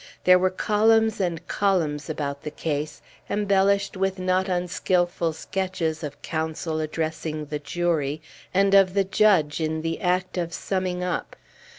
There were columns and columns about the case, embellished with not unskilful sketches of counsel addressing the jury, and of the judge in the act of summing up.